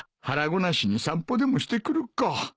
腹ごなしに散歩でもしてくるか。